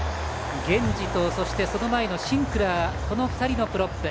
ゲンジと、その前のシンクラーこの２人のプロップ。